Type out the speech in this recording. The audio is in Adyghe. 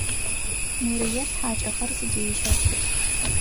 Нурыет хьакӏэхэр зыдещэх.